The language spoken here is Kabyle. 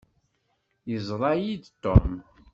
Yeẓṛa-yi-d Tom.